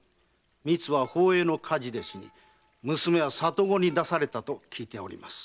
みつは宝永の火事で死に娘は里子に出されたと聞いております。